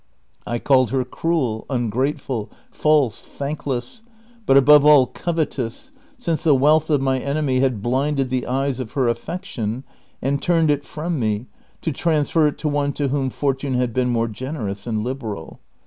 I called her cruel, ungrateful, false, thankless, but above all covetous, since the wealth of my enemy had blinded the eyes of her affection, and turned it from me to transfer it to one to whom fortune had been more generous and liberal.